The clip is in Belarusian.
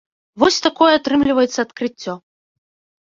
Вось такое атрымліваецца адкрыццё.